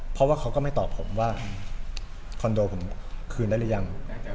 เพราะว่าเขาก็ไม่ตอบผมว่าคอนโดผมคืนได้หรือยัง